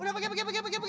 udah pergi pergi pergi